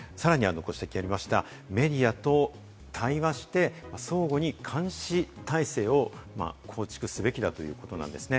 さらにご指摘ありました、メディアと対話して相互に監視体制を構築すべきだということなんですね。